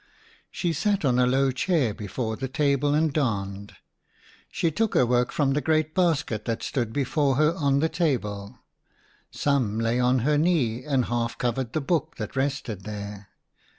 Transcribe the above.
She sat on a low chair before the table and darned. She took her work from the great basket that stood before her on the table : some lay on her knee and half covered the book that 90 A DREAM OF WILD BEES. rested there.